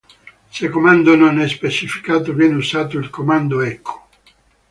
Se "comando" non è specificato, viene usato il comando echo.